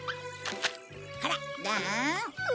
ほらどう？